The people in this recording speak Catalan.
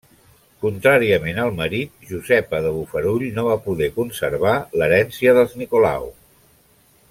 Contràriament al marit, Josepa de Bofarull no va poder conservar l'herència dels Nicolau.